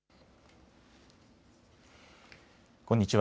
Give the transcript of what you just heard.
こんにちは。